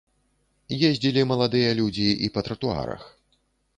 Ездзілі маладыя людзі і па тратуарах.